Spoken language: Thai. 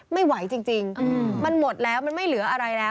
ไม่ไหวจริงมันหมดแล้วมันไม่เหลืออะไรแล้ว